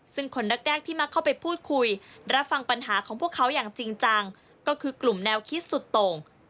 ซึ่งคนแรกที่มักเข้าไปพูดคุยรับฟังปัญหาของพวกเขาอย่างจริงจังก็คือกลุ่มแนวคิดสุดตรง